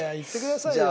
じゃあ。